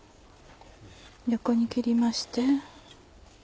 横に切りまして。